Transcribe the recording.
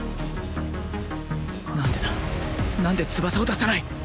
何でだ何で翼を出さない？